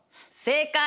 正解！